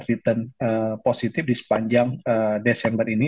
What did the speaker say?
return positif di sepanjang desember ini